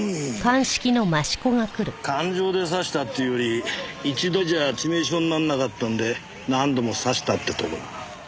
感情で刺したっていうより一度じゃ致命傷にならなかったんで何度も刺したってとこだな。